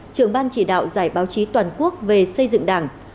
trưởng ban chỉ đạo giải báo chí toàn quốc về xây dựng đảng